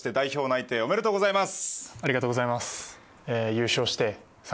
ありがとうございます。